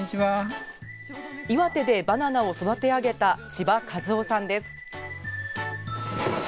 岩手でバナナを育て上げた千葉一男さんです。